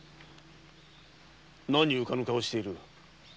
何うかぬ顔している。